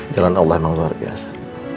jalan allah memang luar biasa